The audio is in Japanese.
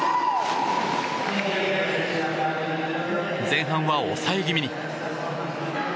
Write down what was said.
前半は抑え気味に。